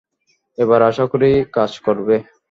এবার আশা করি কাজ করবে।